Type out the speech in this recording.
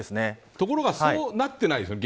ところがそうはなってないでしょうね。